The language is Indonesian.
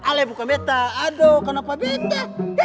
ali bukan beta aduh kenapa beta